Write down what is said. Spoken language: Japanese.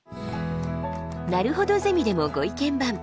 「なるほどゼミ」でもご意見番。